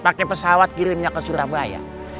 pakai pesawat kirimnya ke surabaya